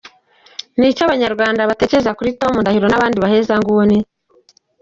Ni iki abanyarwanda bategereza kuri Tom Ndahiro n’abandi bahezanguniÂ ?